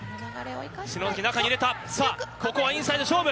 篠崎、中に入れた、さあ、ここはインサイド勝負。